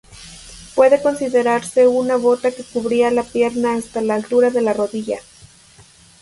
Puede considerarse una bota que cubría la pierna hasta la altura de la rodilla.